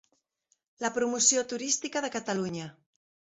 La promoció turística de Catalunya.